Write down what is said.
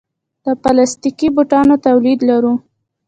د پلاستیکي بوټانو تولید لرو؟